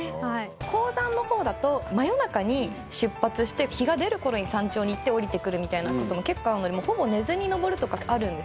「高山の方だと真夜中に出発して日が出る頃に山頂に行って下りてくるみたいな事も結構あるのでほぼ寝ずに登るとかあるんです」